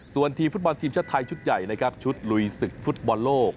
ส่วนทีมฟุตบอลทีมชาติไทยชุดใหญ่นะครับชุดลุยศึกฟุตบอลโลก